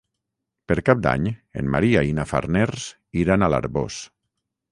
Per Cap d'Any en Maria i na Farners iran a l'Arboç.